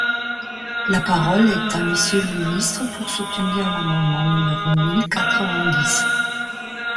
La parole est à Monsieur le ministre, pour soutenir l’amendement numéro mille quatre-vingt-dix.